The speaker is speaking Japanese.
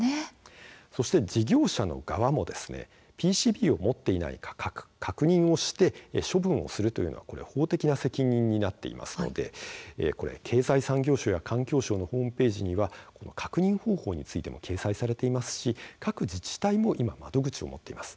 そして事業者の側もＰＣＢを持っていないか確認して処分をするというのは法的な責任になっていますので経済産業省や環境省のホームページには確認方法についても掲載されていますし各自治体も窓口を持っています。